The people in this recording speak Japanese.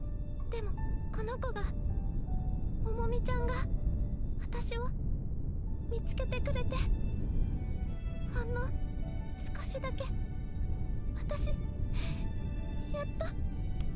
でもこの子がモモミちゃんが私を見つけてくれてほんの少しだけ私やっと。